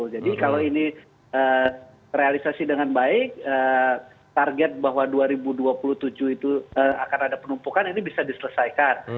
jadi kalau ini realisasi dengan baik target bahwa dua ribu dua puluh tujuh itu akan ada penumpukan ini bisa diselesaikan